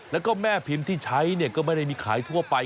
แล้วก็แม่พิมพ์ที่ใช้ก็ไม่ได้มีขายทั่วไป